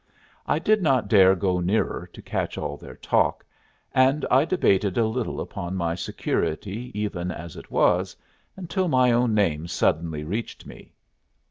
I did not dare go nearer to catch all their talk, and I debated a little upon my security even as it was, until my own name suddenly reached me.